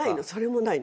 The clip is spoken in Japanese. ないの。